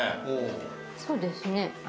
そうですね。